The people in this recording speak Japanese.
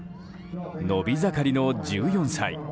伸び盛りの１４歳。